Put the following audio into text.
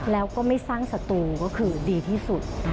แล้วก็ไม่สร้างศัตรูก็คือดีที่สุด